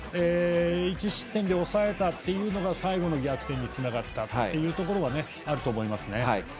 １失点で抑えたのが最後の逆転につながったというのがあると思いますね。